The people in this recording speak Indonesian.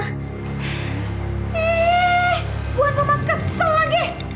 ihh buat mama kesel lagi